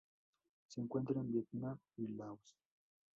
Se encuentra en Vietnam y Laos.